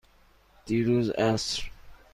دیروز عصر.